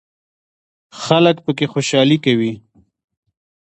خلک پکې خوشحالي کوي.